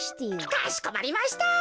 かしこまりました。